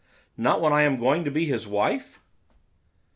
Not when I am going to be his wife?